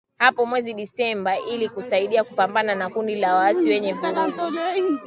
hapo mwezi Disemba ili kusaidia kupambana na kundi la waasi lenye vurugu